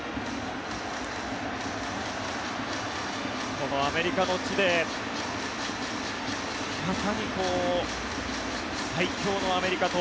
このアメリカの地でまさに最強のアメリカと